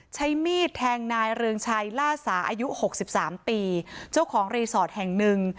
ใช้มีดแทงนายเรืองชัยล่าสาอายุหกสิบสามปีเจ้าของรีสอร์ทแห่งหนึ่ง